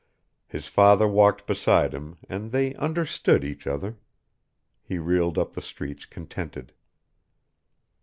His father walked beside him and they understood each other. He reeled up the streets contented.